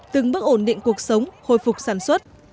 từng bước ổn định cuộc sống khôi phục sản xuất